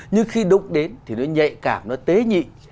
nhưng khi đụng đến thì nó nhạy cảm nó tế nhị